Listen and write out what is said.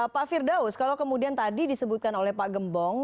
pak firdaus kalau kemudian tadi disebutkan oleh pak gembong